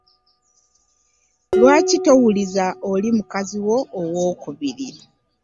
Lwaki towuliza oli mukazi wo owokubiri.